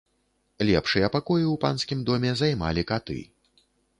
Лепшыя пакоі ў панскім доме займалі каты.